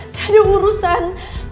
saya ada urusan